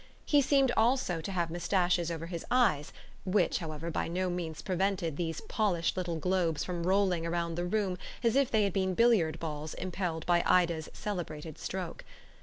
He seemed also to have moustaches over his eyes, which, however, by no means prevented these polished little globes from rolling round the room as if they had been billiard balls impelled by Ida's celebrated stroke.